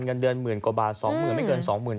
เงินเดือนหมื่นกว่าบาท๒๐๐๐ไม่เกิน๒๐๐๐